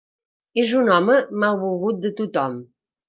És un home malvolgut de tothom.